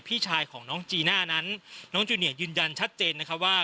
พี่ชายของน้องจีน่านั้นน้องจูเนียยืนยันชัดเจนนะคะว่า